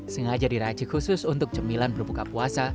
sengaja diracik khusus untuk cemilan berbuka puasa